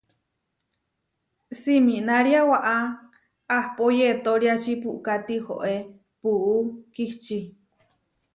Siminária waʼá, ahpó yetóriači puʼká tihoé puú kihčí.